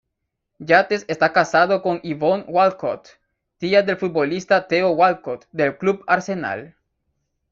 Yates está casado con Yvonne Walcott, tía del futbolista Theo Walcott del club Arsenal.